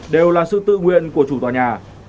đều là sự tự nguyện của chủ tòa nhà